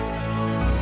ibu yang menjaga saya